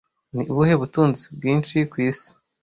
Ni ubuhe butunzi bwinshi ku isi